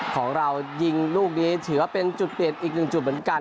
ของเรายิงลูกนี้ถือว่าเป็นจุดเปลี่ยนอีกหนึ่งจุดเหมือนกัน